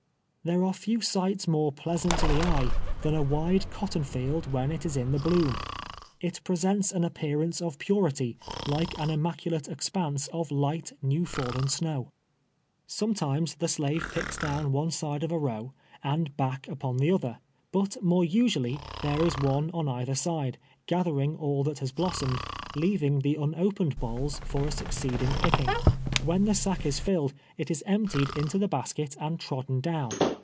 There are few siglits more pleasant to the eye, than a wide cotton field when it is in the bloom. It presents an appearance of ]»urity, like an immaculate expanse of light, new fallen snow. COTTOX riCKIXG. 167 Sometimes the slave picks down one side of a row, and back npon the other, but more usually, there is one on either side, gathering all that has blossomed, leaving the unopened bolls for a succeeding picking. AVhen the sack is tilled, it is emptied into the basket and trodden down.